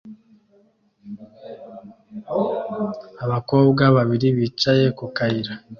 Abakobwa babiri bicaye ku kayira